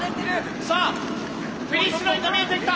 さあフィニッシュラインが見えてきた。